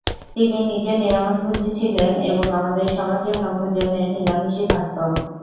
তিনি নিজে নিরামিষভোজী ছিলেন এবং আমাদের সবার জন্যও ভোজনে নিরামিষই থাকত।